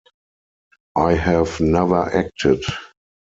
I have never acted.